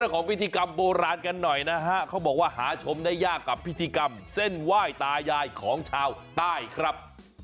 ของพิธีกรรมโบราณกันหน่อยนะฮะเขาบอกว่าหาชมได้ยากกับพิธีกรรมเส้นไหว้ตายายของชาวใต้ครับ